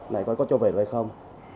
này coi có trôi về rồi hay không